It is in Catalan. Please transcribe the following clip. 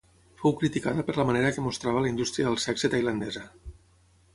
Fou criticada per la manera que mostrava la indústria del sexe tailandesa.